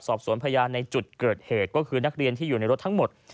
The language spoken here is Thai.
สอบสวนพยานในจุดเกิดเหตุก็คือนักเรียนที่อยู่ในรถทั้งหมด